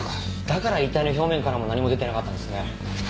だから遺体の表面からも何も出てなかったんですね。